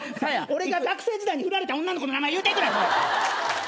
俺が学生時代にフラれた女の子の名前言うていくな！